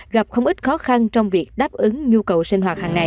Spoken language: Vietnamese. gặp không ít khó khăn trong việc đáp ứng nhu cầu sinh hoạt hàng ngày